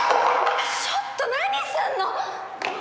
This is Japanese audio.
ちょっと何すんの？